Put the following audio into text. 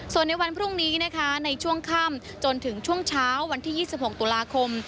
ส่วนในวันพรุ่งนี้นะคะในช่วงค่ำจนถึงช่วงเช้าวันที่๒๖ตุลาคม